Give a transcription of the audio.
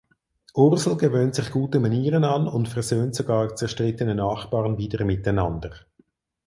Ursel gewöhnt sich gute Manieren an und versöhnt sogar zerstrittene Nachbarn wieder miteinander.